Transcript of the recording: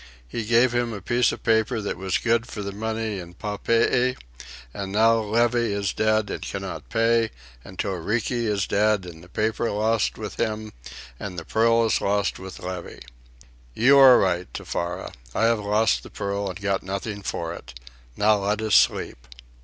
"He gave him a piece of paper that was good for the money in Papeete; and now Levy is dead and cannot pay; and Toriki is dead and the paper lost with him, and the pearl is lost with Levy. You are right, Tefara. I have lost the pearl, and got nothing for it. Now let us sleep."